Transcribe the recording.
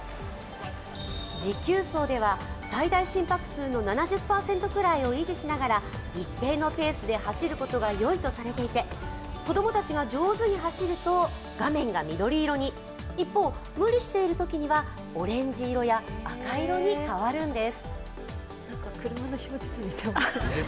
持久走では最大心拍数の７０％くらいを維持しながら一定のペースで走ることがよいとされていて、子供たちが上手に走ると画面が右色に一方、無理しているときにはオレンジ色や赤色に変わるんです。